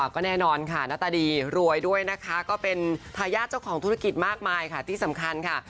ก็แน่นอนค่ะหน้าตาดีรวยด้วยนะคะก็เป็นทายาทเจ้าของธุรกิจมากมายค่ะที่สำคัญค่ะ